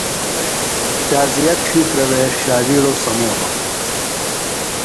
شازیہ ڇِھیترے شاوِیڑوۡ سمولوۡ ہنوۡ۔